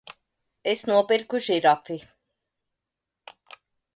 Es nopirku žirafi!